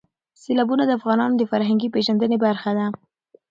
سیلابونه د افغانانو د فرهنګي پیژندنې برخه ده.